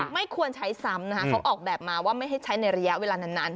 ไม่ควรใช้ซ้ำนะคะเขาออกแบบมาว่าไม่ให้ใช้ในระยะเวลานาน